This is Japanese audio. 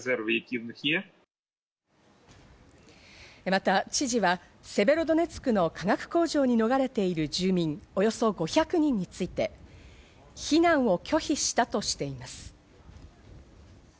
また知事は、セベロドネツクの化学工場に逃れている住民およそ５００人について避難を拒否したとしています。